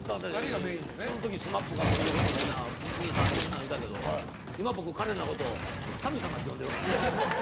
その時、ＳＭＡＰが僕のこと兄さんって言ってたけど今、僕彼らのこと神様って呼んでるから。